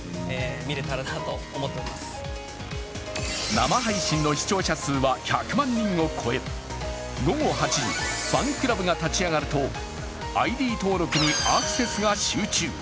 生配信の視聴者数は１００万人を超え、午後８時、ファンクラブが立ち上がると、ＩＤ登録にアクセスが集中。